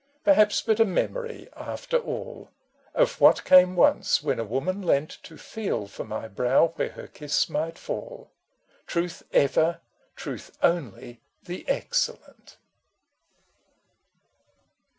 Perhaps but a memory, after all !— Of what came once when a woman leant To feel for my brow where her kiss might fall. Truth ever, truth only the excellent